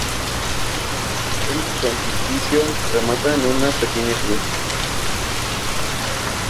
El frontispicio remata en una pequeña cruz.